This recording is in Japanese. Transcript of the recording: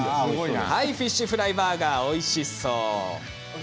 フィッシュフライバーガーおいしそう。